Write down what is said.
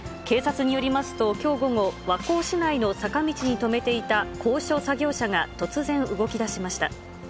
警察によりますと、きょう午後、和光市内の坂道に止めていた高所作業車が突然、動きだしました。